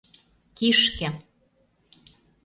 Кишке!